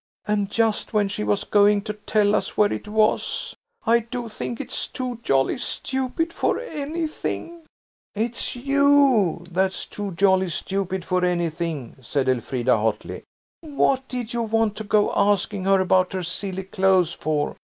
And just when she was going to tell us where it was. I do think it's too jolly stupid for anything." "A LADY IN CRIMSON AND ERMINE WITH A GOLD CROWN." "It's you that's too jolly stupid for anything," said Elfrida hotly. "What did you want to go asking her about her silly clothes for?